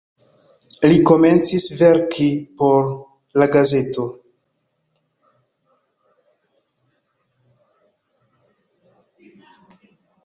Li komencis verki por la gazeto.